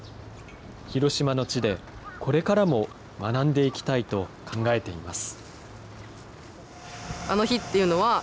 広島の地で、これからも学んでいきたいと考えています。